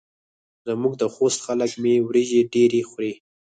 زموږ د خوست خلک مۍ وریژې ډېرې خوري.